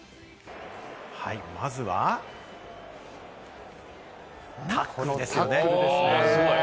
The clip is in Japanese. まずは、タックルですね。